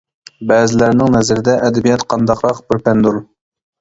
بەزىلەرنىڭ نەزىرىدە ئەدەبىيات قانداقراق بىر پەندۇر.